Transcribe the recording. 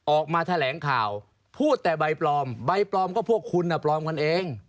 ออกมาแถลงข่าวพูดแต่ใบปลอมใบปลอมก็พวกคุณปลอมกันเอง